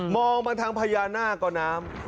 มองไปทางพญานาก็น้ำ